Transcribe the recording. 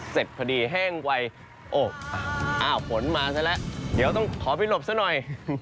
เสร็จพอดีแห้งไวอกอ้าวฝนมาซะแล้วเดี๋ยวต้องขอไปหลบซะหน่อย